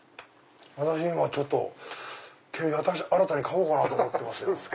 私今顕微鏡新たに買おうかなと思ってますよ。